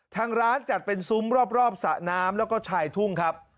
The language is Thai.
ทางร้านจัดเป็นซุ้มรอบสระน้ำแล้วก็ชายทุ่งครับ